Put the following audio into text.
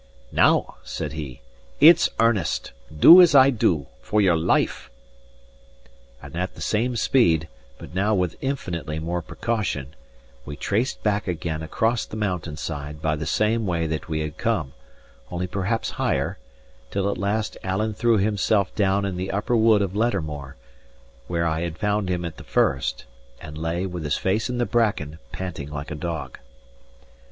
"Now," said he, "it's earnest. Do as I do, for your life." And at the same speed, but now with infinitely more precaution, we traced back again across the mountain side by the same way that we had come, only perhaps higher; till at last Alan threw himself down in the upper wood of Lettermore, where I had found him at the first, and lay, with his face in the bracken, panting like a dog.